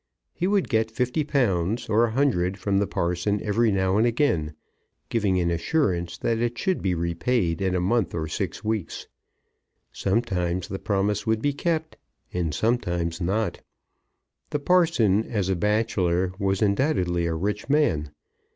He would get fifty pounds or a hundred from the parson every now and again, giving an assurance that it should be repaid in a month or six weeks. Sometimes the promise would be kept, and sometimes not. The parson, as a bachelor, was undoubtedly a rich man.